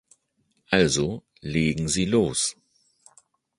Also, legen Sie los!